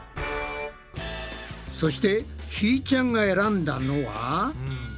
そしてひーちゃんが選んだのは。